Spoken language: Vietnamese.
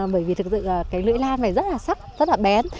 bởi vì thực sự cái lưỡi lan này rất là sắc rất là bén